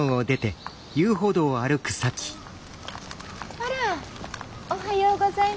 あらおはようございます。